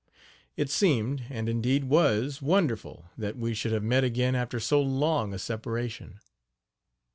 It seemed, and indeed was, wonderful that we should have met again after so long a separation.